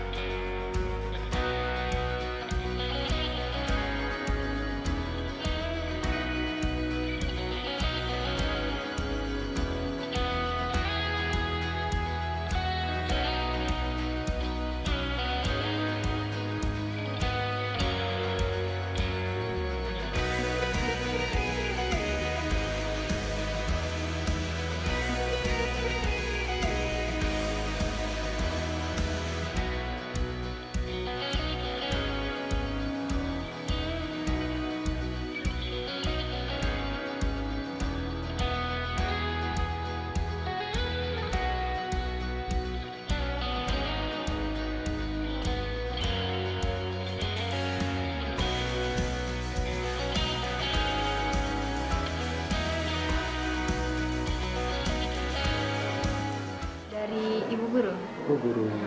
dari ibu guru